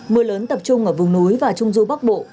mưa lớn tập trung ở vùng núi và trung du bắc bộ